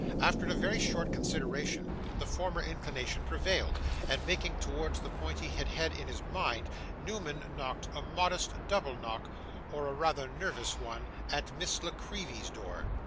After a very short consideration, the former inclination prevailed, and making towards the point he had had in his mind, Newman knocked a modest double knock, or rather a nervous single one, at Miss La Creevy's door.